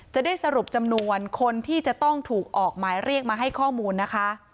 จะได้สรุปจำนวนคนที่จะต้องถูกออกหมายเรียกมาให้ข้อมูลนะคะ